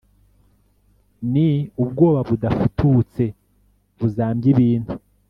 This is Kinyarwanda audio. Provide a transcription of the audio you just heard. ni ubwoba budafututse buzambya ibintu.